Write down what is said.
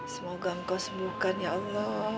semoga engkau sembuhkan ya allah